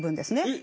え？